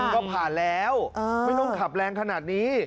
ก็ผ่านแล้วไม่ต้องขับแรงขนาดนี้